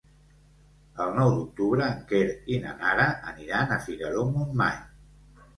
El nou d'octubre en Quer i na Nara aniran a Figaró-Montmany.